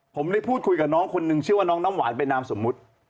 ผมได้พูดคุยกับน้องคนนึงชื่อว่าน้องน้ำหวานเป็นนามสมมุติ